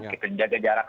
kita menjaga jarak